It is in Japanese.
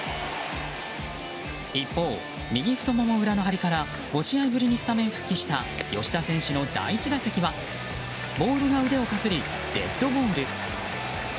一方、右太もも裏のはりから５試合ぶりにスタメン復帰した吉田選手の第１打席はボールが腕をかすりデッドボール。